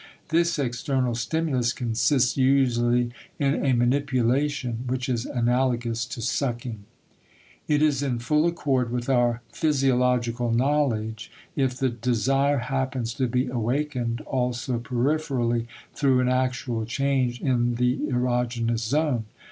This external stimulus consists usually in a manipulation which is analogous to sucking. It is in full accord with our physiological knowledge if the desire happens to be awakened also peripherally through an actual change in the erogenous zone.